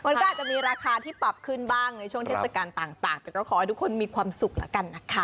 มันก็อาจจะมีราคาที่ปรับขึ้นบ้างในช่วงเทศกาลต่างแต่ก็ขอให้ทุกคนมีความสุขแล้วกันนะคะ